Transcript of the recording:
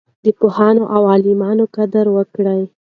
د پوهانو او عالمانو قدر وکړئ.